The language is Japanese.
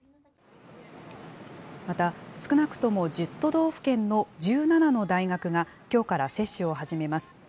また、少なくとも１０都道府県の１７の大学がきょうから接種を始めます。